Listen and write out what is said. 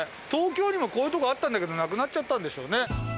東京にもこういうとこあったんだけどなくなっちゃったんでしょうね。